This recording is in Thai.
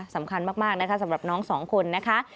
สำคัญมากนะคะสำหรับน้องสองคนนะคะ